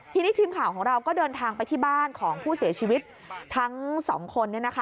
ทีนี้ทีมข่าวของเราก็เดินทางไปที่บ้านของผู้เสียชีวิตทั้งสองคน